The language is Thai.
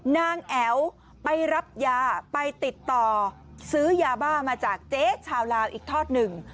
แอ๋วไปรับยาไปติดต่อซื้อยาบ้ามาจากเจ๊ชาวลาวอีกทอดหนึ่ง